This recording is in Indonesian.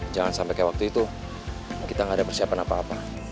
jangan sampai kayak waktu itu kita gak ada persiapan apa apa